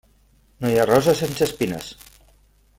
No hi ha rosa sense espines.